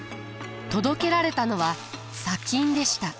届けられたのは砂金でした。